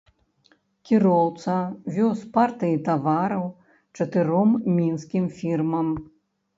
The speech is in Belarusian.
Кіроўца вёз партыі тавараў чатыром мінскім фірмам.